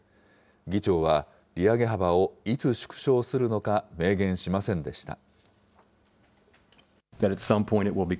議長は利上げ幅をいつ縮小するのか明言しませんでした。